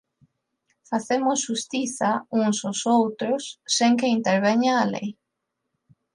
Facemos xustiza uns ós outros sen que interveña a lei.